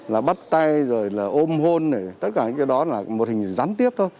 là bắt tay ôm hôn tất cả những cái đó là một hình dán tiêu